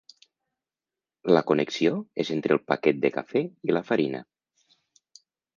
La connexió és entre el paquet de cafè i la farina.